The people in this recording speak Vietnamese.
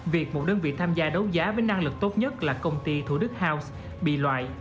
việc một đơn vị tham gia đấu giá với năng lực tốt nhất là công ty thủ đức house bị loại